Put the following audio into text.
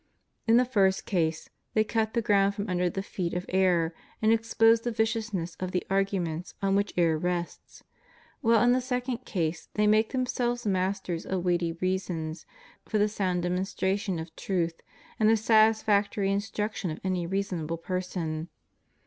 In the first case they cut the ground from under the feet of error and expose the vicious ness of the arguments on which error rests; while in the second case they make themselves masters of weighty reasons for the sound demonstration of truth and the satisfactory instruction of any reasonable person.